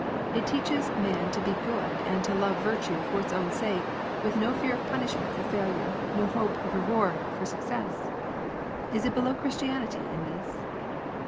It teaches man to be good, and to love virtue for its own sake, with no fear of punishment for failure, no hope of reward for success. Is it below Christianity in this